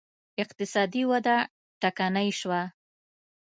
اقتصادي وده ټکنۍ شوه